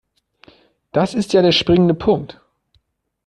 Das ist ja der springende Punkt.